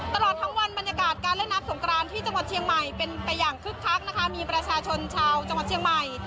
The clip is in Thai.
ตลอดทั้งวันบรรยากาศการเล่นน้ำสงกรานที่จังหวัดเชียงใหม่เป็นไปอย่างคึกคักนะคะมีประชาชนชาวจังหวัดเชียงใหม่